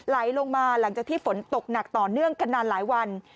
ไหลลงมาหลังจากที่ฝนตกหนักต่อเนื่องกันนานหลายวัน